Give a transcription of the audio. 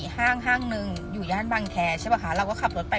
ห้างห้างหนึ่งอยู่ย่านบางแคร์ใช่ป่ะคะเราก็ขับรถไป